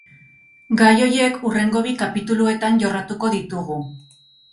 Gai horiek hurrengo bi kapituluetan jorratuko ditugu.